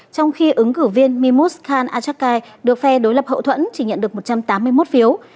trong khi ứng cử viên mimus khan achakai được phe đối lập hậu thuẫn chỉ nhận được một trăm tám mươi một phiếu